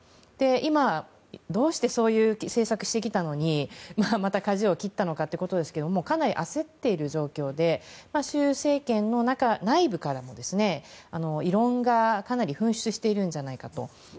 今、どうしてそういう政策をしてきたのにまた、かじを切ったのかということですがかなり焦っている状況で習政権の内部からも異論がかなり噴出しているんじゃないかと。